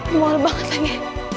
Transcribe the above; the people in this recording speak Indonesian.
mau hal banget lagi